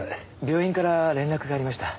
病院から連絡がありました。